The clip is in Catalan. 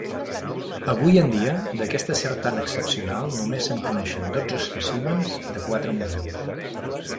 Avui en dia, d'aquesta serp tan excepcional només se'n coneixen dotze espècimens de quatre museus.